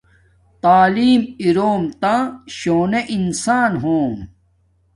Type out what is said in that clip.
تعلیم اروم تا شونے انسان ہوم